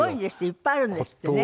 いっぱいあるんですってね。